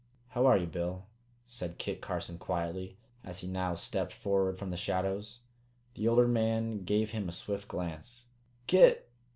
"How are you, Bill?" said Kit Carson quietly, as he now stepped forward from the shadows. The older man gave him a swift glance. "Kit!